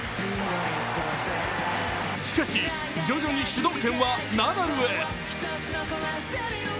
しかし、徐々に主導権はナダルへ。